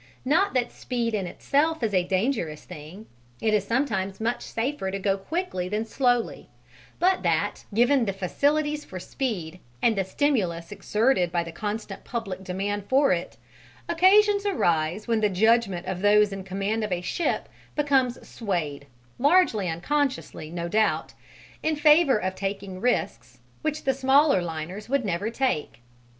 Not that speed in itself is a dangerous thing, it is sometimes much safer to go quickly than slowly, but that, given the facilities for speed and the stimulus exerted by the constant public demand for it, occasions arise when the judgment of those in command of a ship becomes swayed largely unconsciously, no doubt in favour of taking risks which the smaller liners would never take.